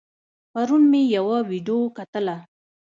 پرون مې يوه ويډيو کتله